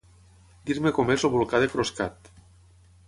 Dir-me com és el volcà de Croscat.